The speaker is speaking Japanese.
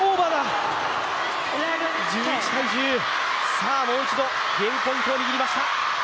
さあもう一度ゲームポイントを握りました。